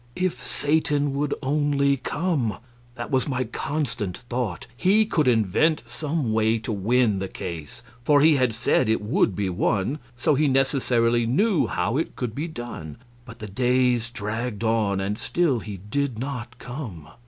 If Satan would only come! That was my constant thought. He could invent some way to win the case; for he had said it would be won, so he necessarily knew how it could be done. But the days dragged on, and still he did not come.